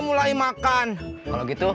mulai makan kalau gitu